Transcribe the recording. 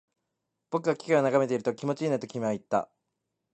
僕が機械を眺めていると、気持ちいいねと君は言った